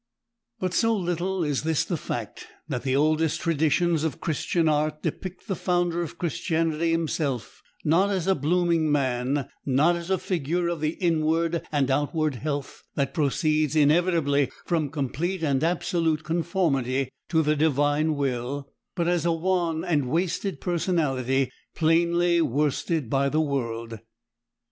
But so little is this the fact that the oldest traditions of Christian art depict the founder of Christianity Himself not as a blooming man, not as a figure of the inward and outward health that proceeds inevitably from complete and absolute conformity to the Divine will, but as a wan and wasted personality plainly worsted by the world.